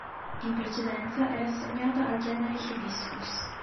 In precedenza era assegnata al genere "Hibiscus".